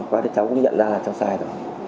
nói qua thì cháu cũng nhận ra là cháu sai rồi